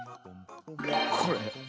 これ。